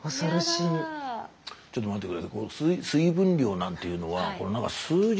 ちょっと待って下さい。